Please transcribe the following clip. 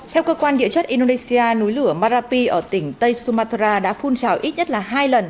theo cơ quan địa chất indonesia núi lửa marapi ở tỉnh tây sumatra đã phun trào ít nhất là hai lần